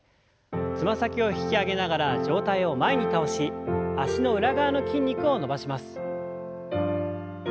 つま先を引き上げながら上体を前に倒し脚の裏側の筋肉を伸ばします。